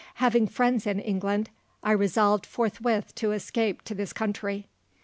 Having friends in England, I resolved forthwith to escape to this country.